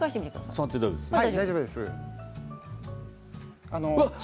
大丈夫です。